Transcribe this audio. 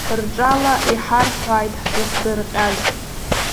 Рҿала иҳарҳәааит ҳзыхдырҟьаз!